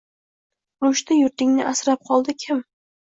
Urushda yurtingni asrab qoldi kim?..»